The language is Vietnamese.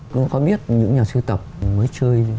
không có biết những nhà sưu tập mới chơi